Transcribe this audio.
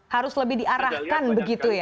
harus lebih diarahkan begitu ya